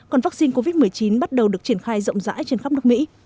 còn vaccine covid một mươi chín bắt đầu được triển khai rộng rãi trên khắp nước mỹ